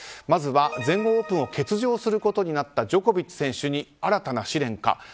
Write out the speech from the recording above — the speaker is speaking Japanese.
まずは全豪オープンを欠場することになったジョコビッチ選手に新たな試練か。